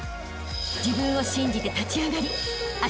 ［自分を信じて立ち上がりあしたへ